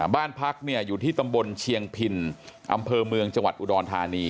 บ้านพักเนี่ยอยู่ที่ตำบลเชียงพินอำเภอเมืองจังหวัดอุดรธานี